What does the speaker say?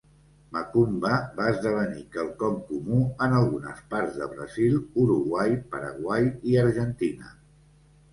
Macumba va esdevenir quelcom comú en algunes parts de Brasil, Uruguai, Paraguai i Argentina.